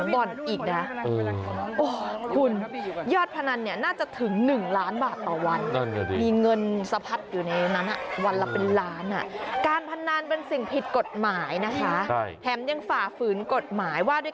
หลังจากเจ้าหน้าที่ได้รับข่าวสารมาปั๊บ